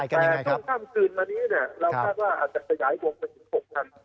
แต่ช่วงข้ามคืนมานี้เนี่ยเราคาดว่าอาจจะขยายวงประจิต๖๐๐๐ได้แล้วนะครับ